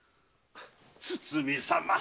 堤様